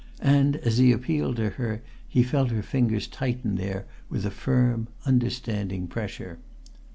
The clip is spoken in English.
And as he appealed to her he felt her fingers tighten there with a firm, understanding pressure.